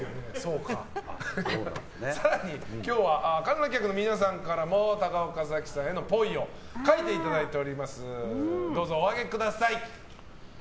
更に今日は観覧客の皆さんからも高岡早紀さんへのっぽいを書いていただいております。